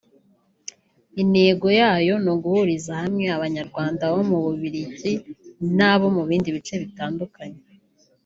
Intego yayo ni uguhuriza hamwe Abanyarwanda bo mu Bubiligi n’abo mu bindi bice baturanye